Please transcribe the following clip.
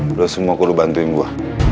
kalian semua perlu membantu saya